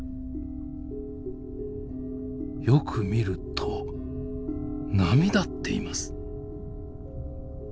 よく見ると波立っています。